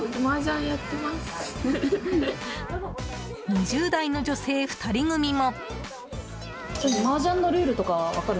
２０代の女性２人組も。